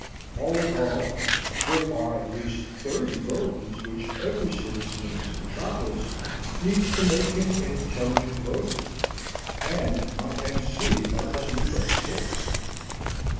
All in all, there are at least thirty bulletins which every citizen of this metropolis needs to make him an intelligent voter. And my M. C. allows me but six!